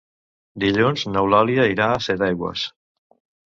Dilluns n'Eulàlia irà a Setaigües.